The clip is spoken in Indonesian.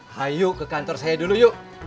hayu ke kantor saya dulu yuk